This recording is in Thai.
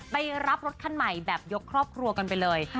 ไปรับรถคันใหม่แบบยกครอบครัวกันไปเลย